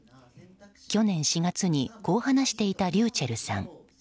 去年４月に、こう話していたｒｙｕｃｈｅｌｌさん。